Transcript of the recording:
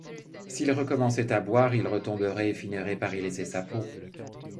S'il recommençait à boire, il retomberait et finirait par y laisser sa peau.